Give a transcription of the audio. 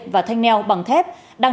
và thanh neo bằng thép